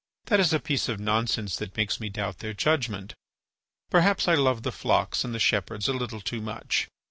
That is a piece of nonsense that makes me doubt their judgment. Perhaps I love the flocks and the shepherds a little too much.